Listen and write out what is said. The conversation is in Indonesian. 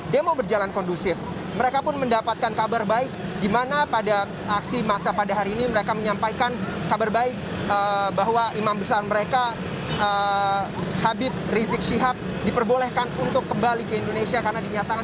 demo berjalan kondusif mereka pun mendapatkan kabar baik di mana pada aksi masa pada hari ini mereka menyampaikan kabar baik bahwa imam besar mereka habib rizik syihab diperbolehkan untuk kembali ke indonesia karena dinyatakan